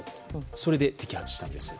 それで摘発したんです。